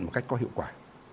một cách có hiệu quả